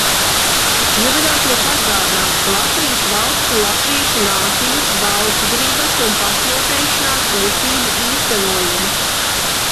Ievadā tiek atgādināts, ka Latvijas valsts ir latviešu nācijas, valstsgribas un pašnoteikšanās tiesību īstenojums.